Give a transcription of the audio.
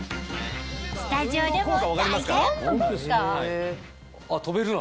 スタジオでも体験！